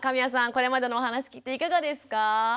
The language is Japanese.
これまでのお話聞いていかがですか？